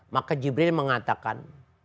maka jibril mengatakan